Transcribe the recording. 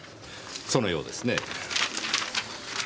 そのようですね。